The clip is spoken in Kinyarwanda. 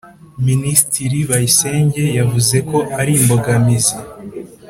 minisitiri bayisenge yavuze ko ari imbogamizi